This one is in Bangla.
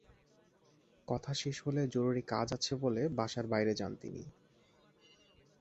কথা শেষ হলে জরুরি কাজ আছে বলে বাসার বাইরে যান তিনি।